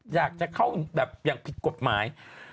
อยากจะเข้าแบบอย่างผิดกฎหมาย